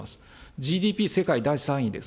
ＧＤＰ世界第３位です。